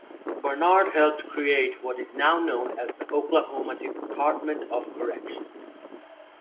Barnard helped create what is now known as the Oklahoma Department of Corrections.